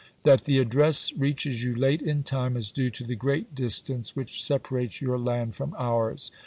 That the Address reaches you late in time is due to the great distance which separates your land from ours.